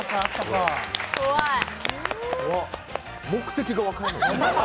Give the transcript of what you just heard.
目的が分からない。